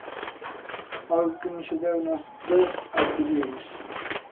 Algo que non se deu nas dez anteriores.